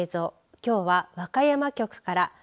きょうは和歌山局から。